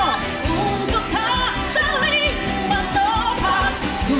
untuk tak saling bertopak